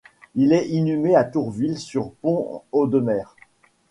Il est inhumé à Tourville-sur-Pont-Audemer.